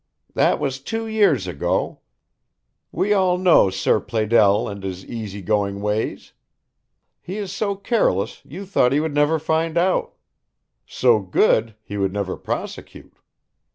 "That was two years ago. We all know Sir Pleydell and his easy going ways. He is so careless you thought he would never find out; so good, he would never prosecute.